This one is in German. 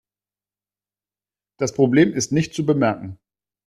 Das Problem ist nicht zu bemerken.